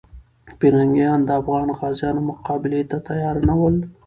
پرنګیانو د افغان غازیانو مقابلې ته تیار نه ول.